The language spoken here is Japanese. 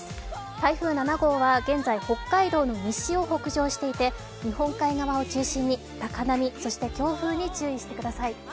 台風７号は現在北海道の西を北上していて日本海側を中心に高波、そして強風に注意してください。